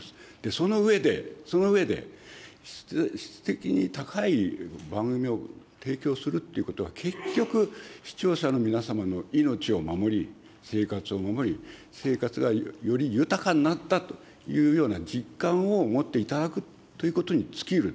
その上で、その上で質的に高い番組を提供するということは、結局、視聴者の皆様の命を守り、生活を守り、生活がより豊かになったというような実感を持っていただくということに尽きる。